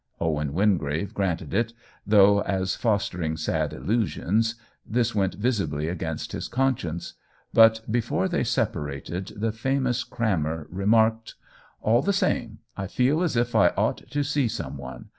Owen Wingrave granted it, though, as fostering sad illusions, this went vis ibly against his conscience ; but before they separated the famous crammer re marked :" All the same, I feel as if I ought to see some one.